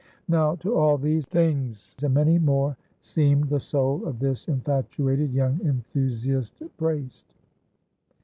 Now to all these things, and many more, seemed the soul of this infatuated young enthusiast braced.